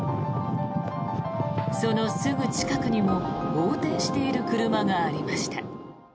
そのすぐ近くにも横転している車がありました。